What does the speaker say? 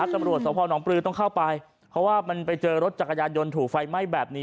ตำรวจสพนปลือต้องเข้าไปเพราะว่ามันไปเจอรถจักรยานยนต์ถูกไฟไหม้แบบนี้